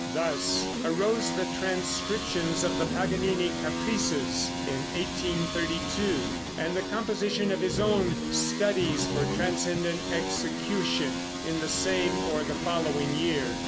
Thus arose the transcriptions of the Paganini caprices in 1832, and the composition of his own "Studies for Transcendent Execution," in the same or the following year.